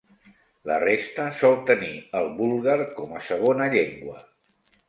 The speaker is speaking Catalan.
La resta sol tenir el búlgar com a segona llengua.